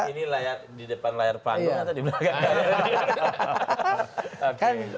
ini di depan layar panggung atau di belakang